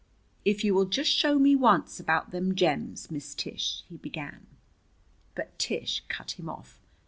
"If you will just show me once about them gems, Miss Tish " he began. But Tish cut him off.